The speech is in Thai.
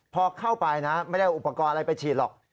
พอเข้าไปนะไม่ได้เอาอุปกรณ์อะไรไปฉีดหรอก